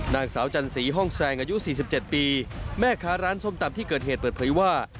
นางสาวจันสีห้องแซงอายุ๔๗ปีแม่ค้าร้านส้มตำที่เกิดเหตุเปิดเผยว่า